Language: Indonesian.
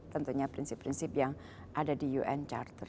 tentunya prinsip prinsip yang ada di un charter